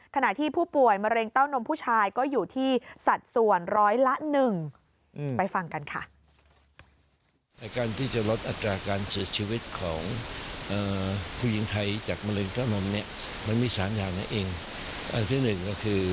ขณะที่ผู้ป่วยมะเร็งเต้านมผู้ชายก็อยู่ที่สัดส่วนร้อยละ๑ไปฟังกันค่ะ